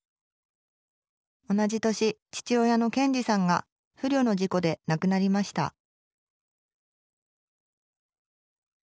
同じ年父親の憲治さんが不慮の事故で亡くなりました。